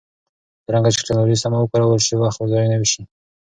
څرنګه چې ټکنالوژي سمه وکارول شي، وخت به ضایع نه شي.